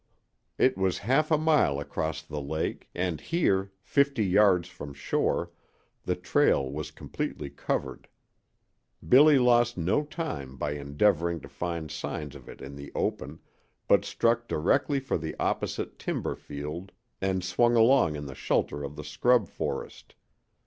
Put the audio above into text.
It was half a mile across the lake, and here, fifty yards from shore, the trail was completely covered. Billy lost no time by endeavoring to find signs of it in the open, but struck directly for the opposite timber field and swung along in the shelter of the scrub forest.